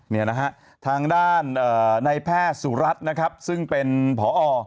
ในทางด้านในแพร่สุรัตินะครับซึ่งเป็นผอ